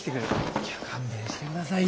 いや勘弁してくださいよ